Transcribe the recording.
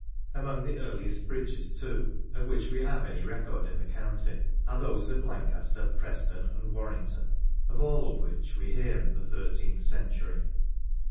Among the earliest bridges, too, of which we have any record in the county are those of Lancaster, Preston, and Warrington, of all of which we hear in the thirteenth century.